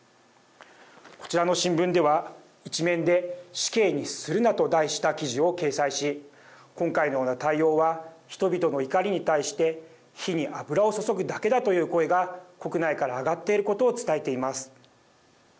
こちらの新聞では一面で死刑にするなと題した記事を掲載し今回のような対応は人々の怒りに対して火に油を注ぐだけだという声が国内から上がっていることを伝えています。